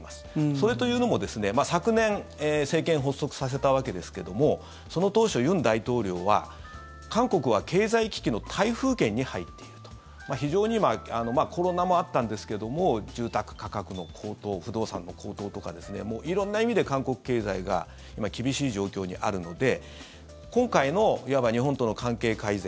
それというのも、昨年政権発足させたわけですけどもその当初、尹大統領は、韓国は経済危機の台風圏に入っていると非常にコロナもあったんですけども住宅価格の高騰不動産の高騰とかですねもう色んな意味で韓国経済が今、厳しい状況にあるので今回の、いわば日本との関係改善